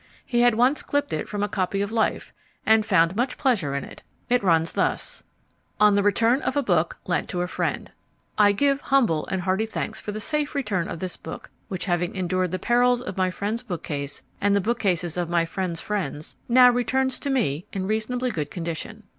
He had once clipped it from a copy of Life and found much pleasure in it. It runs thus: ON THE RETURN OF A BOOK LENT TO A FRIEND I GIVE humble and hearty thanks for the safe return of this book which having endured the perils of my friend's bookcase, and the bookcases of my friend's friends, now returns to me in reasonably good condition.